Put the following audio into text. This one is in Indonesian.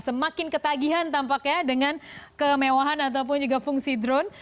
semakin ketagihan tampaknya dengan kemewahan ataupun juga fungsi drone